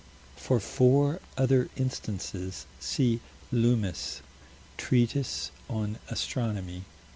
For four other instances, see Loomis (Treatise on Astronomy, p.